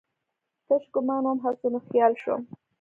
تش ګومان وم، حسن وخیال شوم